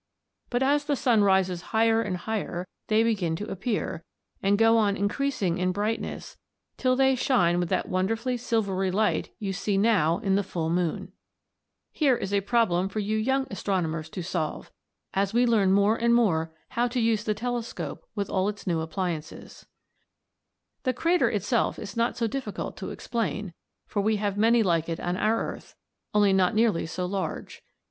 But as the sun rises higher and higher they begin to appear, and go on increasing in brightness till they shine with that wonderfully silvery light you see now in the full moon." [Illustration: Fig. 5. Plan of the Peak of Teneriffe, showing how it resembles a lunar crater. (A. Geikie.)] "Here is a problem for you young astronomers to solve, as we learn more and more how to use the telescope with all its new appliances." The crater itself is not so difficult to explain, for we have many like it on our earth, only not nearly so large.